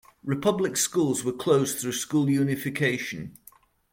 Republic schools were closed through school unification.